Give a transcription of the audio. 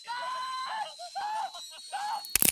د لیکوالانو ادبي شالید تشریح شوی دی.